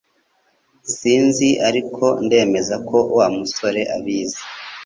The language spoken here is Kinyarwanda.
Sinzi ariko ndemeza ko Wa musore abizi